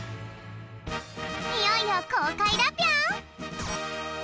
いよいよこうかいだぴょん！